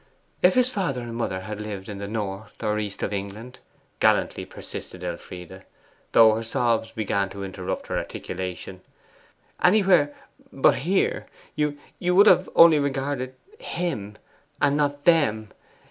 'If his father and mother had lived in the north or east of England,' gallantly persisted Elfride, though her sobs began to interrupt her articulation, 'anywhere but here you would have only regarded HIM, and not THEM!